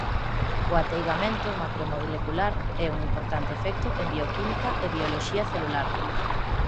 O ateigamento macromolecular é un importante efecto en bioquímica e bioloxía celular.